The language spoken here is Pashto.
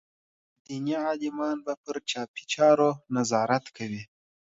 دیني عالمان به پر چاپي چارو نظارت کوي.